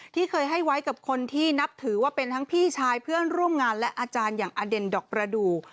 ที่เคยให้ไว้กับคนที่นับถือว่าเป็นทั้งพี่ชายเพื่อนร่วมงานและอาจารย์อย่างอเด่นดอกประดูก